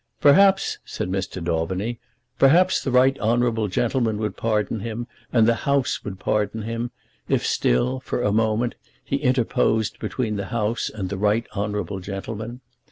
"Perhaps," said Mr. Daubeny, "Perhaps the right honourable gentleman would pardon him, and the House would pardon him, if still, for a moment, he interposed between the House and the right honourable gentleman.